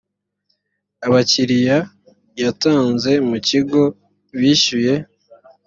abakiliya yatanze mu kigo bishyuye.